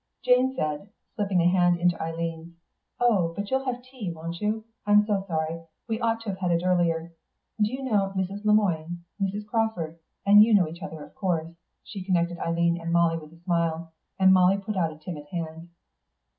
Jane said, slipping a hand into Eileen's, "Oh, but you'll have tea, won't you? I'm so sorry; we ought to have had it earlier.... Do you know Mrs. Le Moine? Mrs. Crawford; and you know each other, of course," she connected Eileen and Molly with a smile, and Molly put out a timid hand.